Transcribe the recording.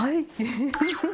フフフフッ。